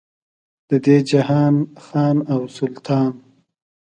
د دې جهان خان او سلطان.